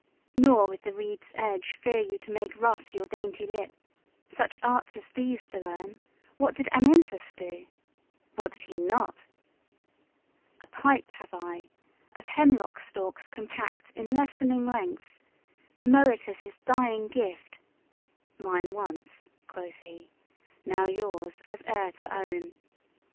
Nor with the reed's edge fear you to make rough Your dainty lip; such arts as these to learn What did Amyntas do? what did he not? A pipe have I, of hemlock stalks compact In lessening lengths, Damoetas' dying gift: 'Mine once,' quoth he, 'now yours, as heir to own.'